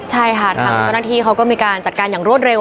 ใช่ค่ะทางเจ้าหน้าที่เขาก็มีการจัดการอย่างรวดเร็ว